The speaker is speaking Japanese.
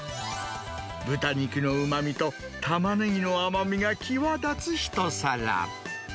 豚肉のうまみとタマネギの甘みが際立つ一皿。